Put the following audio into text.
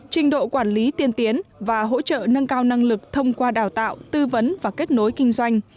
trình độ quản lý tiên tiến và hỗ trợ nâng cao năng lực thông qua đào tạo tư vấn và kết nối kinh doanh